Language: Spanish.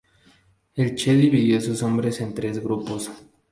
El Che dividió sus hombres en tres grupos.